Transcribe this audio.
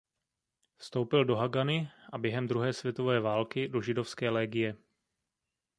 Vstoupil do Hagany a během druhé světové války do Židovské legie.